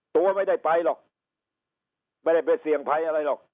ตัวไม่ได้ไปหรอกไม่ได้ไปเสี่ยงภัยอะไรหรอก